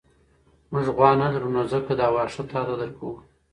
موږ غوا نه لرو نو ځکه دا واښه تاته درکوو.